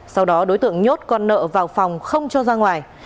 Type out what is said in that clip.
sau đó đối tượng nhốt con nợ vào phòng không cho ra ngoài